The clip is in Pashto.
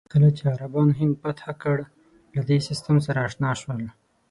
کله چې عربان هند فتح کړل، له دې سیستم سره اشنا شول.